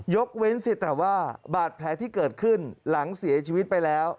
เว้นสิแต่ว่าบาดแผลที่เกิดขึ้นหลังเสียชีวิตไปแล้ว